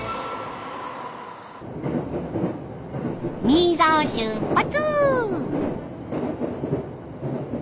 新座を出発！